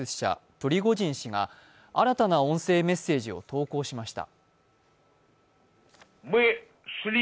プリゴジン氏が新たな音声メッセージを投稿しました。